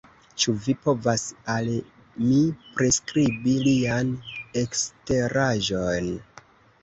Ĉu vi povas al mi priskribi lian eksteraĵon?